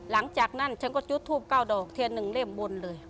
หลังจากนั้นฉันก็จุดทูป๙ดอกเทียน๑เล่มบนเลย